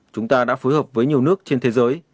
chúng ta đã phối hợp với nhiều nước trên thế giới